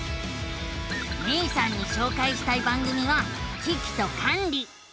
めいさんにしょうかいしたい番組は「キキとカンリ」。